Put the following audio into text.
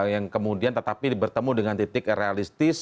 yang kemudian tetapi bertemu dengan titik realistis